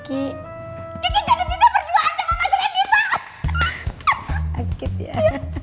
kiki jadi bisa berduaan sama mas reddy pak